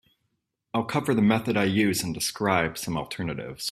I'll cover the method I use and describe some alternatives.